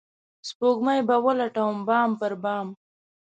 سپوږمۍ به ولټوي بام پر بام